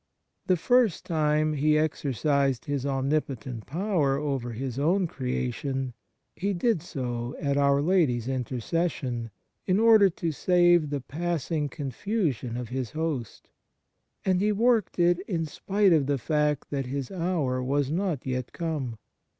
The first time He exercised His omnipotent power over His own creation, He did so at Our Lady s intercession, in order to save the passing confusion of His host. And He worked it in spite of the fact that His " hour was not yet come."